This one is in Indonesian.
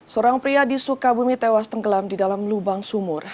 seorang pria di sukabumi tewas tenggelam di dalam lubang sumur